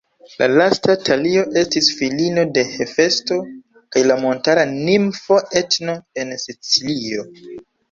La lasta Talio estis filino de Hefesto kaj la montara nimfo Etno, en Sicilio.